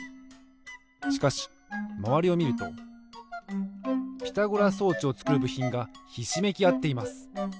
しかしまわりをみるとピラゴラ装置をつくるぶひんがひしめきあっています。